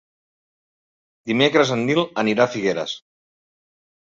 Dimecres en Nil anirà a Figueres.